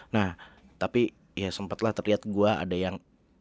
nah tapi ya sempet lah terlihat gue ada yang